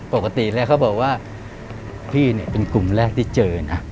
ปกติแล้วเขาบอกว่าพี่เนี่ยเป็นกลุ่มแรกที่เจอนะ